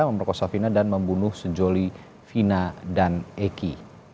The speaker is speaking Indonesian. memerkosa vina dan membunuh sejoli vina dan eki